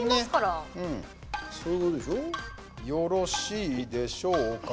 よろしいでしょうか？